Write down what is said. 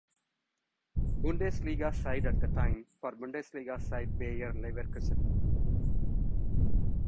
Bundesliga side at the time, for Bundesliga side Bayer Leverkusen.